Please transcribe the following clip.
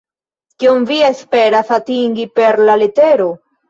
Kion vi esperas atingi per la letero?